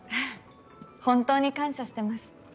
本当に感謝してます。